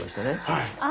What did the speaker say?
はい。